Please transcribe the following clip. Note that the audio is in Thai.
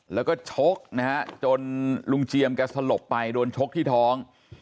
แล้วก็ชกนะฮะจนลุงเจียมแกสลบไปโดนชกที่ท้อง